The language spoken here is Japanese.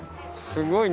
すごい！